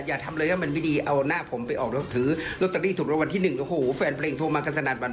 เห็นมั้ยยังไม่ได้ถูกแต่เขาก็ยังไม่หมดหวัง